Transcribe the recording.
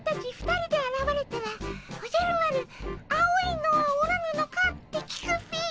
２人であらわれたらおじゃる丸「青いのはおらぬのか」って聞くっピィ。